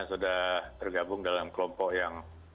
sudah tergabung dalam kelompok yang